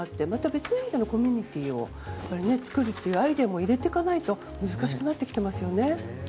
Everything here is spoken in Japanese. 別の意味でコミュニティーを作るというアイデアを入れていかないと難しくなってきていますよね。